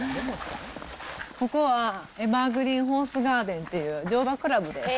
ここはエバーグリーンホースガーデンっていう乗馬クラブです。